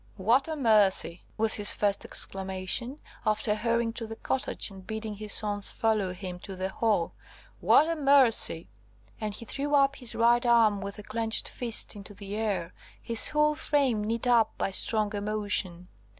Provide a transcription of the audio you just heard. "What a mercy!" was his first exclamation, after hurrying to the cottage, and bidding his sons follow him to the Hall; "what a mercy!" and he threw up his right arm with a clenched fist into the air, his whole frame knit up by strong emotion.